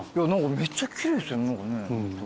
めっちゃ奇麗ですよね。